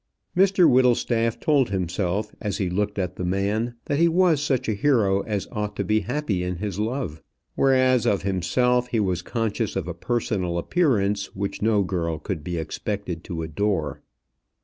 Mr Whittlestaff told himself, as he looked at the man, that he was such a hero as ought to be happy in his love. Whereas of himself, he was conscious of a personal appearance which no girl could be expected to adore.